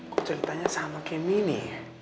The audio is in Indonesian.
kok ceritanya sama kayak gini